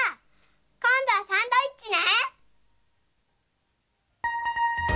こんどはサンドイッチね！